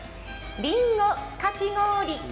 りんごかき氷。